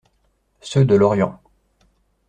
Ceux de Lorient.